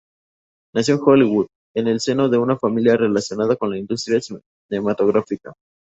Nació en Hollywood, en el seno de una familia relaciona con la industria cinematográfica.